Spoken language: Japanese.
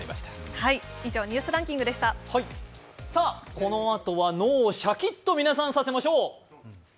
このあとは脳をシャキッとさせましょう。